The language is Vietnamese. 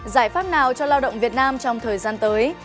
giải pháp nào cho lao động việt nam trong thời gian tới